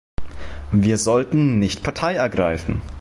Wir sollten nicht Partei ergreifen.